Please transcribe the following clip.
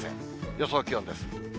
予想気温です。